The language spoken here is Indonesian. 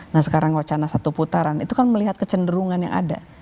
nah sekarang wacana satu putaran itu kan melihat kecenderungan yang ada